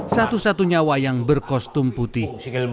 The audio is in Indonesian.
satu satunya wayang berkostum putih